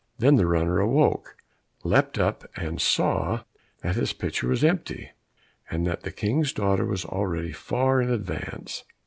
Then the runner awoke, leapt up, and saw that his pitcher was empty, and that the King's daughter was already far in advance.